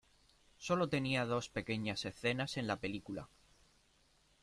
Sólo tenía dos pequeñas escenas en la película.